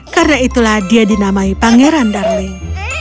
karena itulah dia dinamai pangeran darling